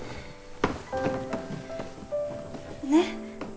ねっ。